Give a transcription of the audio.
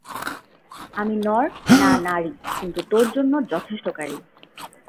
আমি নর না নারী, কিন্তু তোর জন্য যথেষ্টকারী!